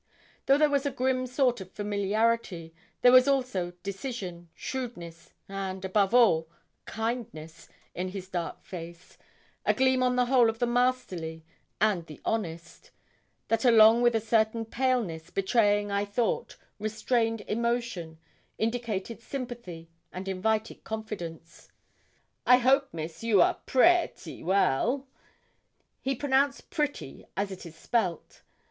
Though there was a grim sort of familiarity, there was also decision, shrewdness, and, above all, kindness, in his dark face a gleam on the whole of the masterly and the honest that along with a certain paleness, betraying, I thought, restrained emotion, indicated sympathy and invited confidence. 'I hope, Miss, you are pretty well?' He pronounced 'pretty' as it is spelt.